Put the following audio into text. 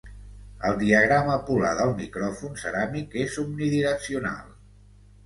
El diagrama polar del micròfon ceràmic és omnidireccional.